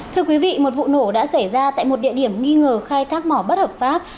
thưa quý vị một vụ nổ đã xảy ra tại một địa điểm nghi ngờ khai thác mỏ bất hợp pháp